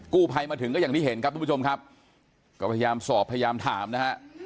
ภัยมาถึงก็อย่างที่เห็นครับทุกผู้ชมครับก็พยายามสอบพยายามถามนะฮะ